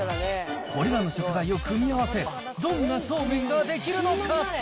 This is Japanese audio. これらの食材を組み合わせ、どんなそうめんが出来るのか。